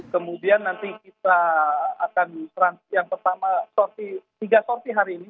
kemudian nanti kita akan transit yang pertama tiga sorti hari ini